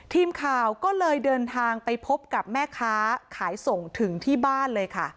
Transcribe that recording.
ทีมข่าวก็เลยเดินทางไปพบกับแม่ค้าขายส่งถึงที่บ้านเลยค่ะ